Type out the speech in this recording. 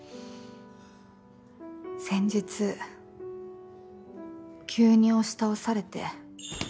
先日急に押し倒されて。